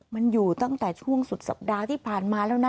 มันอยู่ตั้งแต่ช่วงสุดสัปดาห์ที่ผ่านมาแล้วนะ